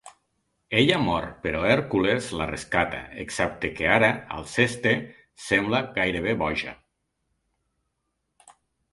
Ella mor, però Hèrcules la rescata, excepte que ara Alceste sembla gairebé boja.